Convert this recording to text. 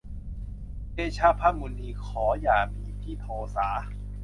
เดชะพระมุนี ขออย่ามีที่โทษา